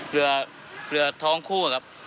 เรือท้องคู่